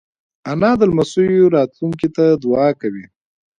انا د لمسیو راتلونکې ته دعا کوي